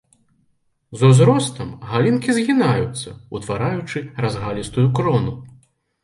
З узростам галінкі згінаюцца, утвараючы разгалістую крону.